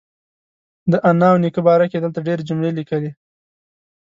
د انا او نیکه باره کې یې دلته ډېرې جملې لیکلي.